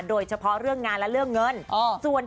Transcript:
โดยเฉพาะเรื่องงานและเรื่องเงิน